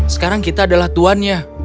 sekarang kita adalah tuannya